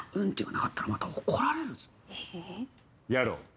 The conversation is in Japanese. やろう。